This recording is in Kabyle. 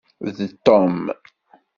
D Tom.